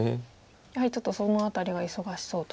やはりちょっとその辺りが忙しそうと。